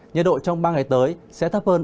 nhiệt độ trong ba ngày tới sẽ thấp hơn